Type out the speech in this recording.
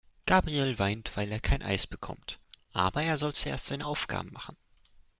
Gabriel weint, weil er kein Eis bekommt. Aber er soll zuerst seine Aufgaben machen.